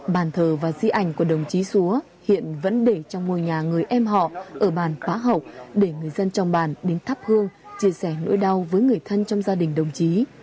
bàn thờ và di ảnh của đồng chí xúa hiện vẫn để trong ngôi nhà người em họ ở bản phó học để người dân trong bản đến tháp hương chia sẻ nỗi đau với người thân trong gia đình đồng chí